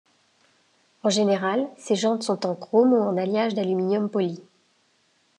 En général, ces jantes sont en chrome ou en alliage d’aluminium poli.